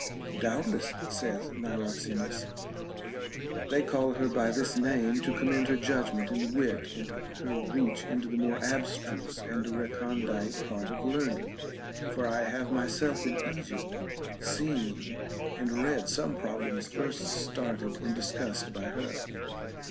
Doubtless, saith Niloxenus, they call her by this name to commend her judgment and wit, and her reach into the more abstruse and recondite part of learning ; for I have myself in Egypt seen and read some problems first started and discussed by her.